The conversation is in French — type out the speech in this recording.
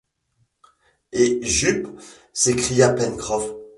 Et Jup! s’écria Pencroff.